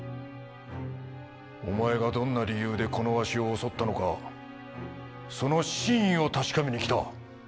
お前がどんな理由でこのワシを襲ったのかその真意を確かめに来た。